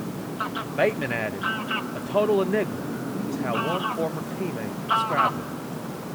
Bateman added, "'A total enigma' was how one former team-mate described him".